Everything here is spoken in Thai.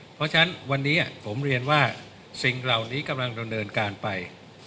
เพราะฉะนั้นวันนี้ผมเรียนว่าสิ่งเหล่านี้กำลังดำเนินการไป